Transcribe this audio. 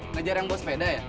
ngejar yang buat sepeda ya